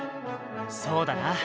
そうだな。